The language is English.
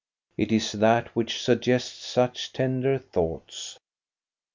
It is that which suggests such tender thoughts.